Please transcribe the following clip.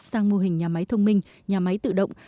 sang mô hình nhà máy thông minh nhà máy tự động